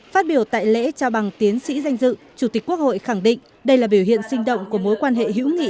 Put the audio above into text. phát biểu tại lễ trao bằng tiến sĩ danh dự chủ tịch quốc hội khẳng định đây là biểu hiện sinh động của mối quan hệ hữu nghị